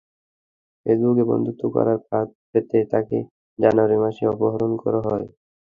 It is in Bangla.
ফেসবুকে বন্ধুত্ব করার ফাঁদ পেতে তাঁকে জানুয়ারি মাসে অপহরণ করা হয়।